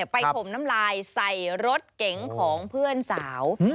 ถมน้ำลายใส่รถเก๋งของเพื่อนสาว